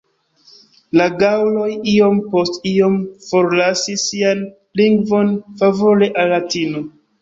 La gaŭloj iom post iom forlasis sian lingvon favore al Latino.